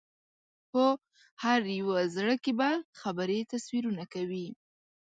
په هر یو زړه کې به خبرې تصویرونه کوي